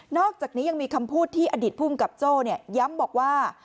อกจากนี้ยังมีคำพูดที่อดีตภูมิกับโจ้ย้ำบอกว่า